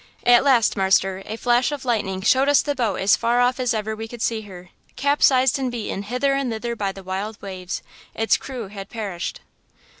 At last marster, a flash of lightning showed us the boat as far off as ever we could see her, capsized and beaten hither and thither by the wild waves–its crew had perished.